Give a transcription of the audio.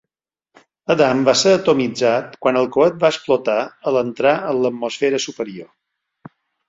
Adam va ser atomitzat quan el coet va explotar a l'entrar en l'atmosfera superior.